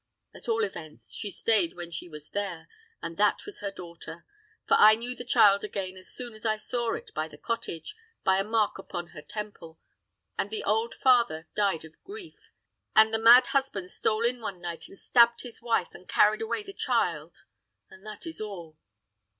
At all events, she stayed when she was there, and that was her daughter; for I knew the child again as soon as I saw it at the cottage, by a mark upon her temple; and the old father died of grief, and the mad husband stole in one night and stabbed his wife, and carried away the child; and that is all."